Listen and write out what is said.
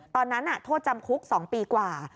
ตอนนั้นโทษจำคุก๒ปีกว่า